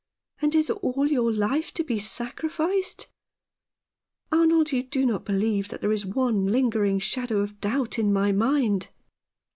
And is all your life to be sacrificed ? Arnold, you do not believe that there is one lingering shadow of doubt in my mind